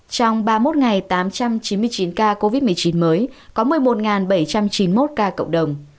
trong ba mươi một ngày tám trăm chín mươi chín ca covid một mươi chín mới có một mươi một bảy trăm chín mươi một ca cộng đồng